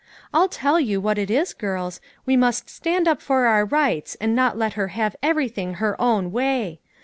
I'll tell you what it is, girls, we must stand up for our rights, and not let her have everything her own way.